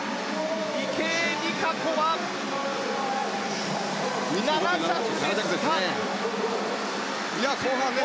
池江璃花子は７着でした。